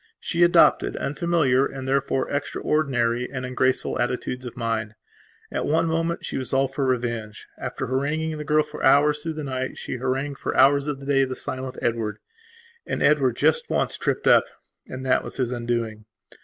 She adopted unfamiliar and therefore extraordinary and ungraceful attitudes of mind. At one moment she was all for revenge. After haranguing the girl for hours through the night she harangued for hours of the day the silent Edward. And Edward just once tripped up, and that was his undoing.